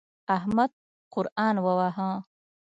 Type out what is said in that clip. احمد قرآن وواهه.